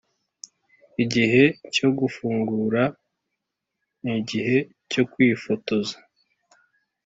igihe cyo gufungura nigihe cyo kwifotoza.